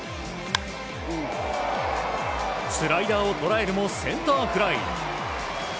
スライダーをとらえるもセンターフライ。